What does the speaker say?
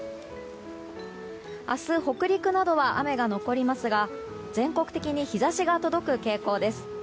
明日、北陸などは雨が残りますが全国的に日差しが届く傾向です。